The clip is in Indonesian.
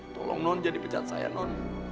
tolong non jadi pecat saya non